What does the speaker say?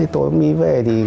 tối mới về thì